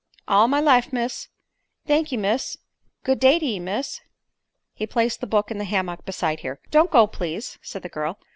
"All my life, miss. Thank 'e, miss. Good day to ye, miss." He placed the book in the hammock beside her. "Don't go, please." said the girl.